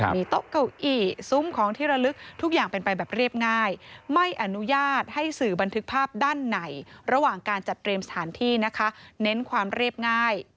มีโต๊ะเก้าอี้ซุ้มของที่ระลึกทุกอย่างเป็นไปแบบเรียบง่าย